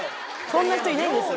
そんな人いないんです